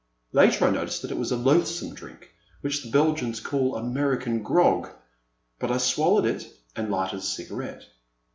Later I noticed that it was a loathsome drink which the Belgians call American Grog,*' but I swallowed it and lighted a cigarette.